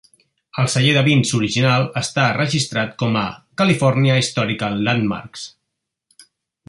El celler de vins original està registrat com a "California Historical Landmarks".